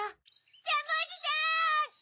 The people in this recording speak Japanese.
ジャムおじさん！